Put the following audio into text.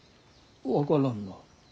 分からんな。